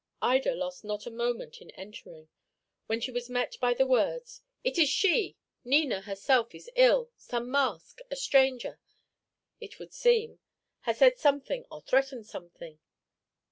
Ida lost not a moment in entering, when she was met by the words: "It is she, Nina herself is ill; some mask a stranger, it would seem has said something or threatened something."